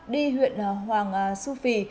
đi huyện hoàng su phi